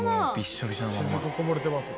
滴こぼれてますよ。